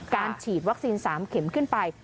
ฉีดวัคซีน๓เข็มขึ้นไป